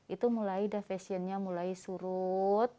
itu mulai dah fashionnya mulai surut